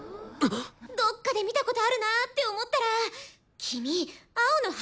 どっかで見たことあるなって思ったら君青野ハジメくんだよね！